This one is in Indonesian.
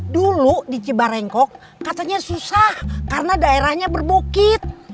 dulu di cibarengkok katanya susah karena daerahnya berbukit